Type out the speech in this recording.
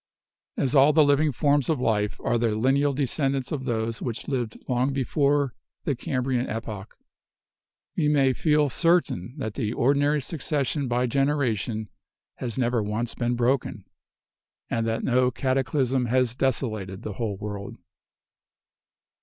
As all the living forms of life are the lineal descendants of those which lived long before the Cambrian epoch, we may feel certain that the ordinary succession by 132 BIOLOGY generation has never once been broken, and that no cataclysm has desolated the whole world.